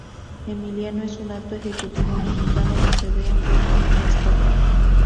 Emiliano es un alto ejecutivo mexicano que se ve envuelto en una estafa.